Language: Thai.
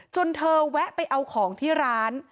เธอแวะไปเอาของที่ร้าน